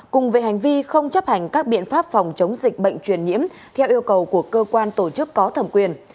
cùng về hành vi không chấp hành các biện pháp phòng chống dịch bệnh truyền nhiễm theo yêu cầu của cơ quan tổ chức có thẩm quyền